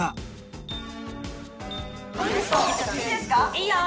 いいよ。